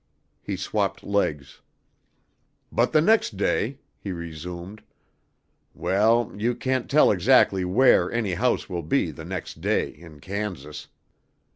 He swapped legs. "But the next day," he resumed. "Well, you can't tell exactly where any house will be the next day in Kansas.